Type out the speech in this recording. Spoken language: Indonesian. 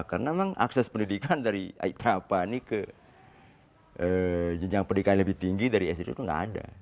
karena memang akses pendidikan dari ait rapa ini ke jenjang pendidikan yang lebih tinggi dari smp itu tidak ada